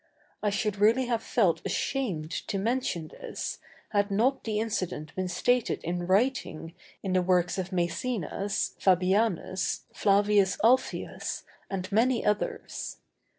I should really have felt ashamed to mention this, had not the incident been stated in writing in the works of Mæcenas, Fabianus, Flavius Alfius, and many others.